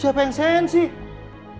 saya cuma berusaha nenangin bu nita